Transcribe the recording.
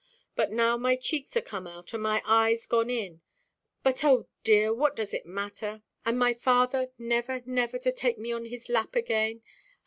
But now my cheeks are come out, and my eyes gone in; but, oh dear! what does it matter, and my father never, never to take me on his lap again?